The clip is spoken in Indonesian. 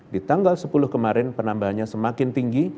di tanggal sepuluh kemarin penambahannya semakin tinggi